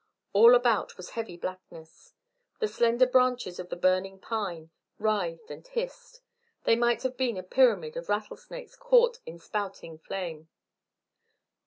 All about was heavy blackness. The slender branches of the burning pine writhed and hissed; they might have been a pyramid of rattlesnakes caught in spouting flame.